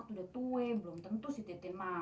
iya dah yang penting komisinya raya